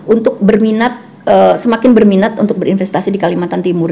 untuk berminat semakin berminat untuk berinvestasi di kalimantan timur